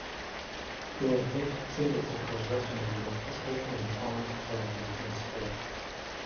He has had hit singles across Western Europe especially in France, Belgium, and Spain.